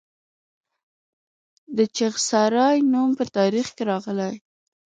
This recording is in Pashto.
د چغسرای نوم په تاریخ کې راغلی